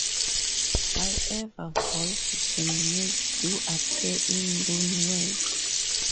However, voiced geminates do appear in loanwords.